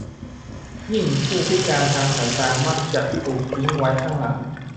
ยิ่งผู้พิการทางสายตามักจะถูกทิ้งไว้ข้างหลัง